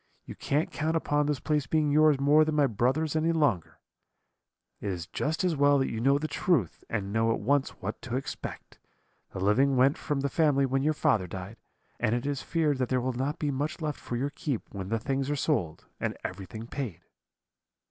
You can't count upon this place being yours more than my brother's any longer; it is just as well that you know the truth, and know at once what to expect. The living went from the family when your father died, and it is feared that there will not be much left for your keep when the things are sold, and everything paid.'